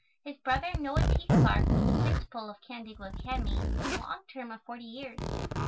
His brother, Noah T. Clarke, was the Principal of Canandaigua Academy for the long term of forty years.